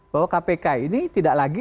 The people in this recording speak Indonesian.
bahwa kpk ini tidak lagi